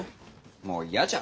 もう嫌じゃ。